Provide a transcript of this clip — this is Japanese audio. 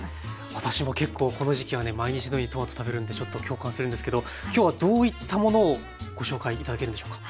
私も結構この時期はね毎日のようにトマト食べるのでちょっと共感するんですけど今日はどういったものをご紹介頂けるんでしょうか。